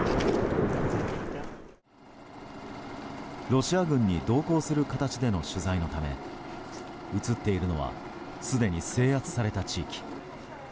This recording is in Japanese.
ロシア軍に同行する形での取材のため映っているのはすでに制圧された地域。